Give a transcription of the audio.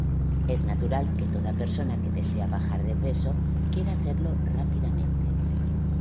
Es natural que toda persona que desea bajar de peso quiera hacerlo rápidamente